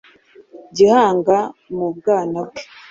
Gihanga mu bwana bwe,